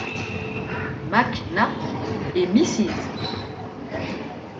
Mac Nap et Mrs.